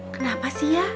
kenapa sih ya